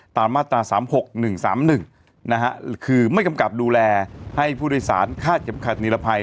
ตามมาตราสามหกหนึ่งสามหนึ่งนะฮะคือไม่กำกลับดูแลให้ผู้โดยสารค่าเก็บขัดนิรภัย